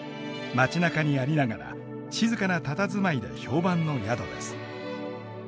街なかにありながら静かなたたずまいで評判の宿です。